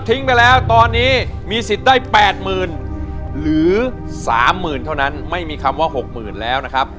ไปแล้วตอนนี้มีสิทธิ์ได้๘๐๐๐หรือ๓๐๐๐เท่านั้นไม่มีคำว่า๖๐๐๐แล้วนะครับ